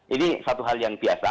ini satu hal yang biasa